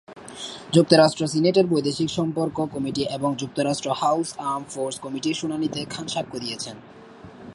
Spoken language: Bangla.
যুক্তরাষ্ট্র সিনেটের বৈদেশিক সম্পর্ক কমিটি এবং যুক্তরাষ্ট্র হাউস আর্ম ফোর্স কমিটির শুনানিতে খান সাক্ষ্য দিয়েছেন।